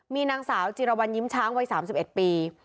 มีนางสาวจิรวรรณยิ้มช้างวัย๓๑ปี